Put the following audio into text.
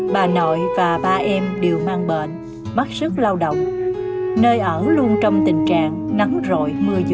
bà nội và ba em đều mang bệnh mất sức lao động nơi ở luôn trong tình trạng nắng rội mưa